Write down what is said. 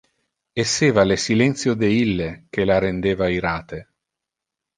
Esseva le silentio de ille que la rendeva irate.